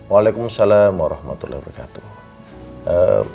waalaikumsalam warahmatullahi wabarakatuh